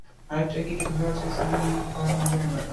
আরেকটার কি দরকার আছে, ছিনিয়ে নিয়ে খাওয়ার মজাই আলাদা।